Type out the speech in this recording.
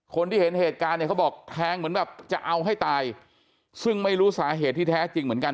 เห็นเหตุการณ์เนี่ยเขาบอกแทงเหมือนแบบจะเอาให้ตายซึ่งไม่รู้สาเหตุที่แท้จริงเหมือนกัน